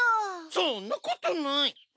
そんなことない